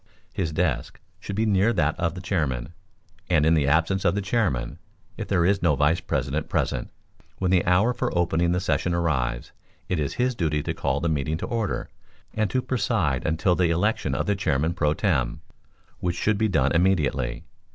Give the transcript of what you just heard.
His desk should be near that of the chairman, and in the absence of the chairman, (if there is no vice president present) when the hour for opening the session arrives, it is his duty to call the meeting to order, and to preside until the election of a chairman pro tem., which should be done immediately.